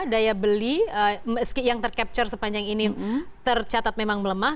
daya beli yang tercapture sepanjang ini tercatat memang melemah